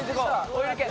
追い抜け。